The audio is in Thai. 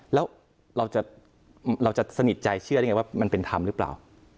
แล้วเราจะสนิทใจเชื่อได้ไงว่ามันเป็นธรรมหรือเปล่า